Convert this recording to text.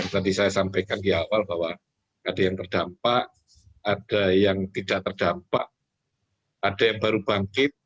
tadi saya sampaikan di awal bahwa ada yang terdampak ada yang tidak terdampak ada yang baru bangkit